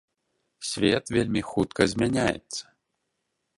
Свет вельмі хутка змяняецца.